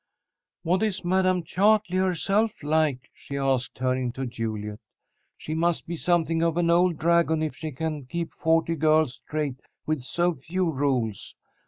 "What is Madam Chartley herself like?" she asked, turning to Juliet. "She must be something of an old dragon if she can keep forty girls straight with so few rules.